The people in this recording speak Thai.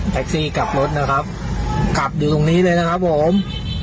ซี่กลับรถนะครับกลับอยู่ตรงนี้เลยนะครับผม